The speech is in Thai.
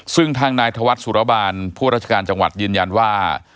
ซึ่งทางนายธวัฒนสุรบาลผู้ราชการจังหวัดยืนยันว่า